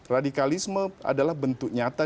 radikalisme adalah bentuk nyata